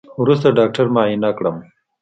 وروسته ډاکتر معاينه کړم.